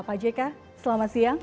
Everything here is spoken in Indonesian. pak jk selamat siang